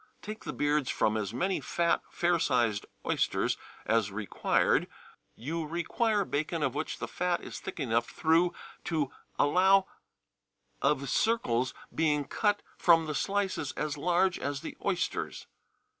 Take the beards from as many fat, fair sized oysters as required. You require bacon of which the fat is thick enough through to allow of circles being cut from the slices as large as the oysters.